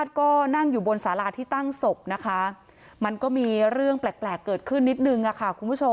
ช่วงกลางวันเมื่อวานค่ะ